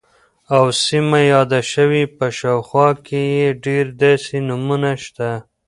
او سیمه یاده شوې، په شاوخوا کې یې ډیر داسې نومونه شته،